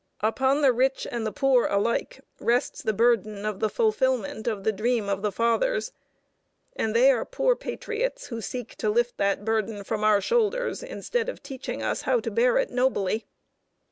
Upon the rich and the poor alike rests the burden of the fulfillment of the dream of the Fathers, and they are poor patriots who seek to lift that burden from our shoulders instead of teaching us how to bear it nobly.